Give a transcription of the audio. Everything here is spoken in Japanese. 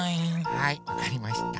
はいわかりました。